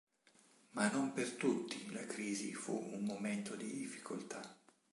Ma non per tutti la Crisi fu un momento di difficoltà.